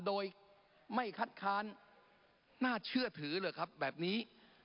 โดยไม่คัดค้านน่าเชื่อถือเหรอครับแบบนี้